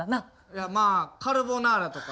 まぁカルボナーラとか。